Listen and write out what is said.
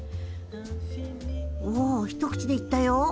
お一口でいったよ。